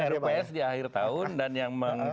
rups di akhir tahun dan yang